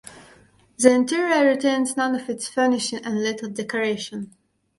The interior retains none of its furnishing and little decoration.